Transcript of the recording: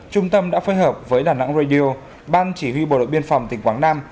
trung tâm đã phối hợp với đà nẵng radio ban chỉ huy bộ đội biên phòng tỉnh quảng nam